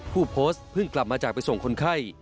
ผู้โพสต์เพิ่งกลับมาจากไปส่งคนไข้